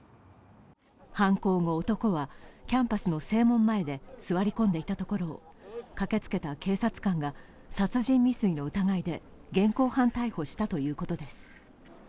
犯行後、男はキャンパスの正門前で座り込んでいたところを駆けつけた警察官が殺人未遂の疑いで現行犯逮捕したということです。